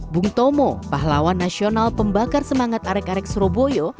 bung tomo pahlawan nasional pembakar semangat arek arek surabaya